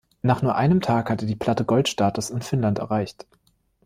Nach nur einem Tag hatte die Platte Goldstatus in Finnland erreicht.